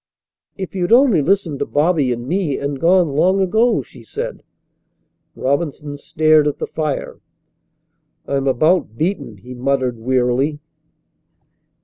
"If you'd only listened to Bobby and me and gone long ago," she said. Robinson stared at the fire. "I'm about beaten," he muttered wearily.